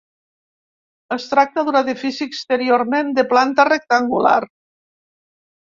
Es tracta d'un edifici exteriorment de planta rectangular.